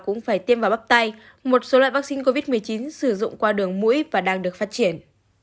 cũng phải tiêm vào bóc tay một số loại vaccine covid một mươi chín sử dụng qua đường mũi và đang được phát triển